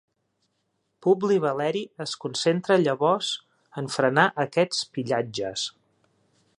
Publi Valeri es concentra llavors en frenar aquests pillatges.